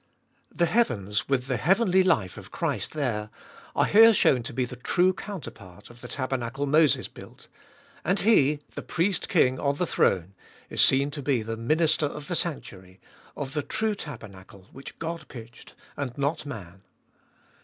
The heavens, with the heavenly life of Christ there, are here shown to be the true counterpart of the tabernacle Moses built, and He, the Priest King on the throne, is seen to be the Minister of the sanctuary, of the true tabernacle which God pitched and not man.